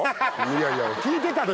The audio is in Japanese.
いやいや聞いてたでしょ。